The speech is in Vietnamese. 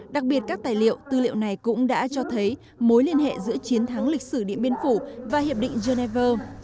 đặc biệt các tài liệu tư liệu này cũng đã cho thấy mối liên hệ giữa chiến thắng lịch sử điện biên phủ và hiệp định geneva